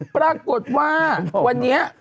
ปรากฏว่าวันนี้